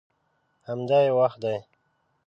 همدا یې وخت دی.